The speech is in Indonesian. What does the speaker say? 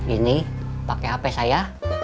ini pakai hp saya